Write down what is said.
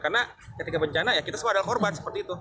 karena ketika bencana kita semua adalah korban